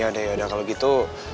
yaudah yaudah kalo gitu